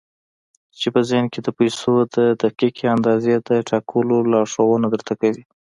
چې په ذهن کې د پيسو د دقيقې اندازې د ټاکلو لارښوونه درته کوي.